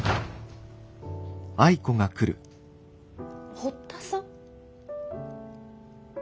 堀田さん？